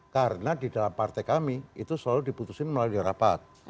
karena di dalam partai kami itu selalu diputusin melalui rapat